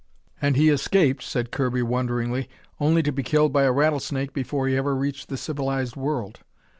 "And he escaped," said Kirby wonderingly, "only to be killed by a rattlesnake before he ever reached the civilized world.